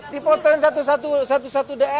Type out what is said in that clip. dipotong satu satu satu satu daerah ya